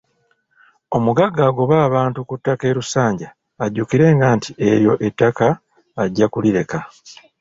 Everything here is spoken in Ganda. Omugagga agoba abantu ku ttaka e Lusanja ajjukirenga nti eryo ettaka ajja kulireka.